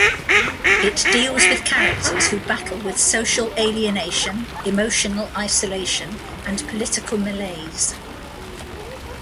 It deals with characters who battle with social alienation, emotional isolation, and political malaise.